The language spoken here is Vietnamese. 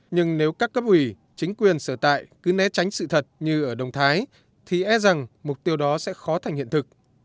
nhưng nếu các cấp ủy chính quyền sở tại cứ né tránh sự thật như ở đồng thái thì e rằng mục tiêu đó sẽ khó thành hiện thực